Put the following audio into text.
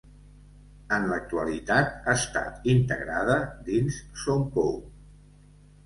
En l'actualitat està integrada dins Son Pou.